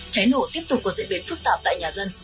cháy nổ tiếp tục có diễn biến phức tạp tại nhà dân